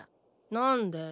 なんで。